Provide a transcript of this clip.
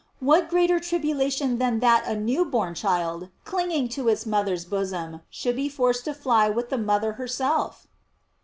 What greater tribulation than that a new born child, clinging to its moth er's bosom, should be forced to fly with the mother herself